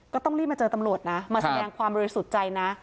ก็ต้องรีบมาเจอตำรวจนะมาแสดงความบริสุทธิ์ใจนะ